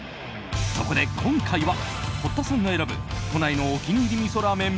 そこで今回は堀田さんが選ぶ都内のお気に入りみそラーメン